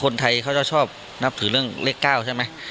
คนไทยเขาจะชอบนับถือเรื่องเลข๙ใช่ไหม